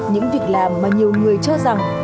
những việc làm mà nhiều người cho rằng